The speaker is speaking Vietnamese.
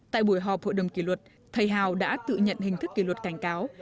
tại buổi họp hội đồng kỷ luật thầy hào đã tự nhận hình thức kỷ luật cảnh cáo